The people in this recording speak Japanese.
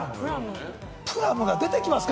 プラムが出てきますか？